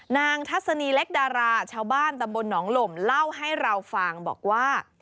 ทัศนีเล็กดาราชาวบ้านตำบลหนองหล่มเล่าให้เราฟังบอกว่า